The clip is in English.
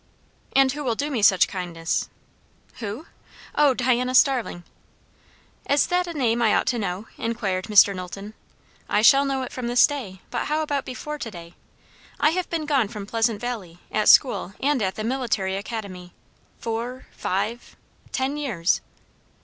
"And who will do me such kindness?" "Who? O Diana Starling." "Is that a name I ought to know?" inquired Mr. Knowlton. "I shall know it from this day; but how about before to day? I have been gone from Pleasant Valley, at school and at the Military Academy, four, five, ten years."